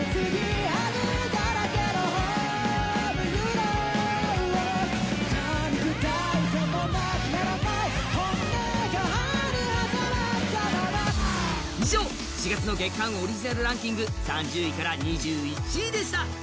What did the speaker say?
さあ、そして２２位は以上、４月の月間オリジナルランキング３０位から２１位でした。